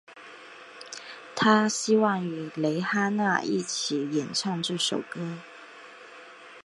她希望与蕾哈娜一起演唱这首歌。